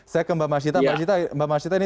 saya ke mbak masjidah mbak masjidah ini